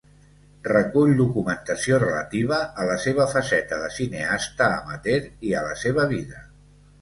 Recull documentació relativa a la seva faceta de cineasta amateur i a la seva vida.